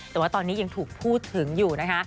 แต่ว่าตอนนี้ยังถูกพูดถึงอยู่นะคะ